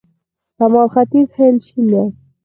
شمال ختیځ هند شین دی.